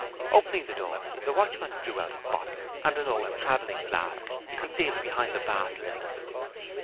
Opening the door, the watchman drew out a bottle and an old traveling flask, concealed behind the bath linen.